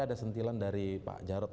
ada sentilan dari pak jarod